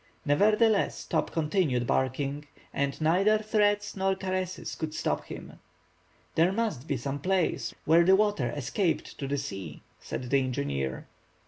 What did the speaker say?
Nevertheless, Top continued barking, and neither threats nor caresses could stop him. "There must be some place where the water escaped to the sea," said the engineer.